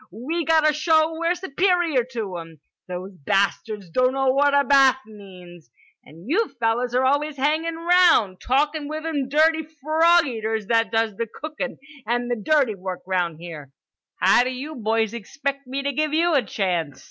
We gotta show we're superior to 'em. Those bastards doughno what a bath means. And you fellers are always hangin' 'round, talkin' with them dirty frog eaters that does the cookin' and the dirty work 'round here. How d'you boys expect me to give you a chance?